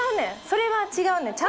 それは違うねん。